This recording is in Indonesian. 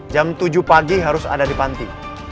jam tujuh pagi harus ada di panti